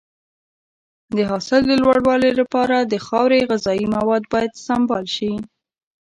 د حاصل د لوړوالي لپاره د خاورې غذایي مواد باید سمبال شي.